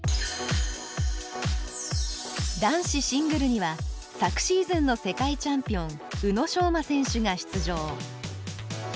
男子シングルには昨シーズンの世界チャンピオン宇野昌磨選手が出場。